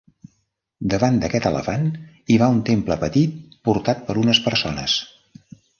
Davant d'aquest elefant hi va un temple petit portat per unes persones.